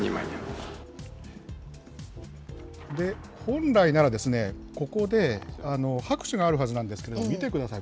本来なら、ここで拍手があるはずなんですけど、見てください。